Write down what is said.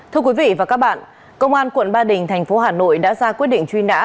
thưa quý vị và các bạn công an quận ba đình thành phố hà nội đã ra quyết định truy nã